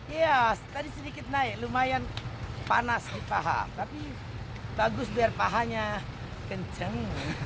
iya tadi sedikit naik lumayan panas di paha tapi bagus biar pahanya kenceng